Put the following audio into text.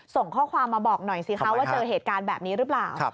ส่งข้อความมาบอกว่าเกิดเหตุการณ์แบบนี้หรือเปล่า